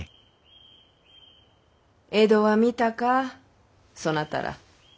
江戸は見たかそなたら。